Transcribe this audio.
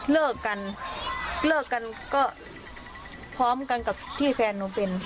เลิกกันเลิกกันก็พร้อมกันกับที่แฟนหนูเป็น